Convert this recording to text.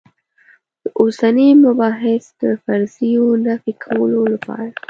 د اوسني مبحث د فرضیو نفي کولو لپاره.